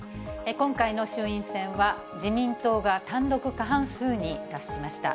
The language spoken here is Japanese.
今回の衆院選は、自民党が単独過半数に達しました。